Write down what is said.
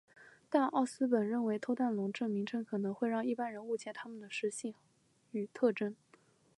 但奥斯本认为偷蛋龙这名称可能会让一般人误解它们的食性与特征。